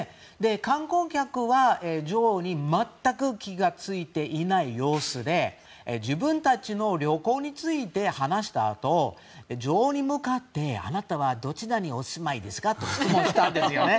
観光客は女王に全く気がついていない様子で自分たちの旅行について話したあと、女王に向かってあなたはどちらにお住まいですか？と質問したんですよね。